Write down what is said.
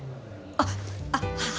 あっあっ。